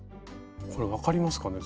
これ分かりますかね？